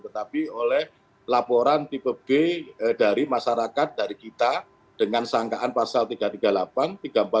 tetapi oleh laporan tipe b dari masyarakat dari kita dengan sangkaan pasal tiga ratus tiga puluh delapan tiga ratus empat puluh lima puluh lima dan lima puluh enam